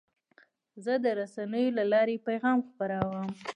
زه د رسنیو له لارې پیغام خپروم.